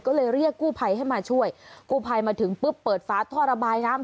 ก็เลยเรียกกู้ภัยให้มาช่วยกู้ภัยมาถึงปุ๊บเปิดฟ้าท่อระบายน้ำ